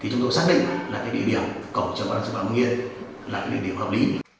thì chúng tôi xác định là cái địa điểm cổng trong bệnh viện hưng hà là cái địa điểm hợp lý